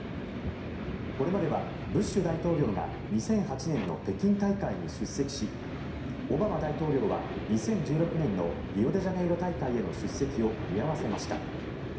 これまではブッシュ大統領が２００８年の北京大会に出席しオバマ大統領は２０１６年のリオデジャネイロ大会への出席を見合わせました。